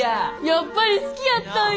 やっぱり好きやったんや！